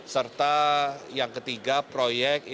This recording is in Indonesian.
serta yang ketiga proyek